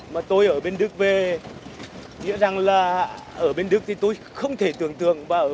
mà tôi ở bên đức về nghĩa rằng là ở bên đức thì tôi không thể tưởng tượng